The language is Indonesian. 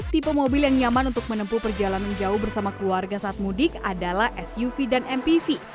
tipe mobil yang nyaman untuk menempuh perjalanan jauh bersama keluarga saat mudik adalah suv dan mpv